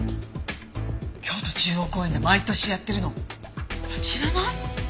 京都中央公園で毎年やってるの知らない？